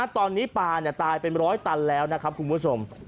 ตอนนี้ปลาตายเป็นร้อยตันแล้วนะครับคุณผู้ชม